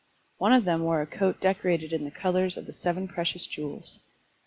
One of them wore a coat decorated in the colors of the seven precious jewels.